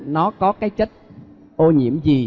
nó có cái chất ô nhiễm gì